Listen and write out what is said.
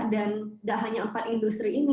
dan gak hanya empat industri ini